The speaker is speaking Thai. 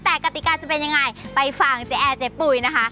แต่กติกาจะเป็นยังไงไปฟังเจ๊แอร์เจ๊ปุ๋ยนะคะ